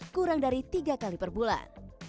kurang dari tiga kali per bulan